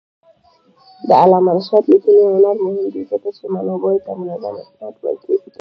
د علامه رشاد لیکنی هنر مهم دی ځکه چې منابعو ته منظم استناد کوي.